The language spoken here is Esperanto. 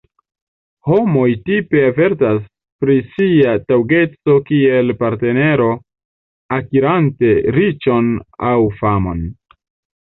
Homoj tipe avertas pri sia taŭgeco kiel partnero akirante riĉon aŭ famon.